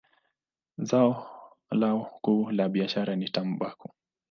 Zao lao kuu la biashara ni tumbaku.